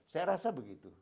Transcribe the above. saya rasa begitu